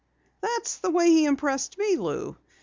"That's the way he impressed me, Lou.